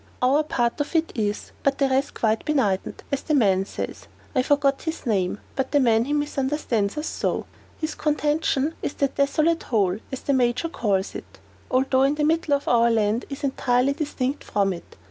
"Our part of it is, but the rest quite benighted. As the man says I forget his name, but the man that misunderstands us so his contention is that 'Desolate Hole,' as the Major calls it, although in the middle of our land, is entirely distinct from it.